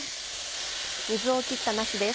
水を切ったなすです。